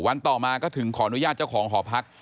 ต่อมาก็ถึงขออนุญาตเจ้าของหอพัก